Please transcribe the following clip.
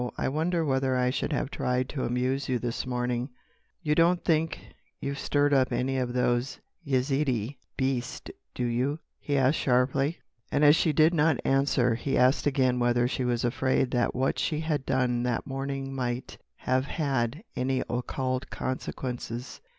I wonder whether I should have tried to amuse you this morning——" "You don't think you've stirred up any of those Yezidee beasts, do you?" he asked sharply. And as she did not answer, he asked again whether she was afraid that what she had done that morning might have had any occult consequences.